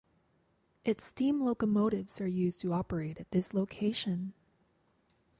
Its steam locomotives are used to operate at this location.